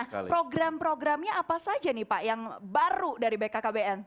nah program programnya apa saja nih pak yang baru dari bkkbn